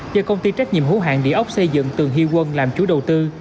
do công ty trách nhiệm hữu hạng địa ốc xây dựng tường hy quân làm chủ đầu tư